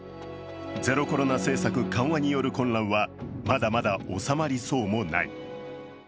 ゼロコロナ政策緩和による混乱は、まだまだ収まりそうもない。